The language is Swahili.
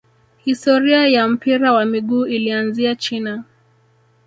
historia ya mpira wa miguu ilianzia china